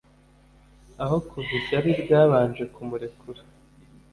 Aho kuva ishyari ryabanje kumurekura